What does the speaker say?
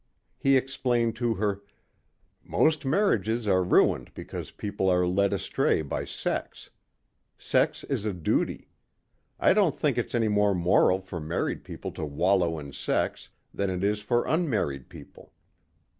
He explained to her, "Most marriages are ruined because people are lead astray by sex. Sex is a duty. I don't think it's any more moral for married people to wallow in sex than it is for unmarried people.